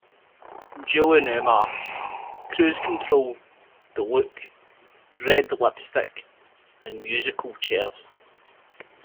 Julie Newmar"; "Cruise Control"; "The Look"; "Red Lipstick", and "Musical Chairs".